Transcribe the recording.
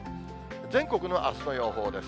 全国のあすの予報です。